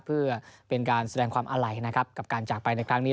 เพื่อเป็นการแสดงความอาลัยนะครับกับการจากไปในครั้งนี้